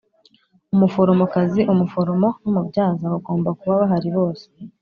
Umuforomokazi, umuforomo n umubyaza bagomba kuba bahari bose